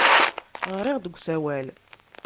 Ɣriɣ-d deg usawal.